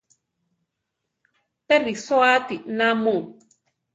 ¿Pé risoáti namu?